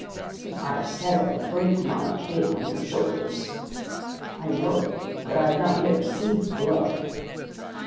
'"But I have said I would break my cane on your shoulders." '"I know it, but I have not yet received the blow."